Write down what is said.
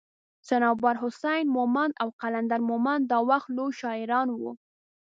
صنوبر حسين مومند او قلندر مومند دا وخت لوي شاعران وو